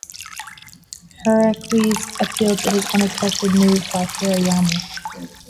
Heracles appealed to this unexpected move by Hirayama.